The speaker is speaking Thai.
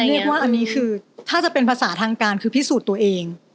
เรียกว่าอันนี้คือถ้าจะเป็นภาษาทางการคือพิสูจน์ตัวเอง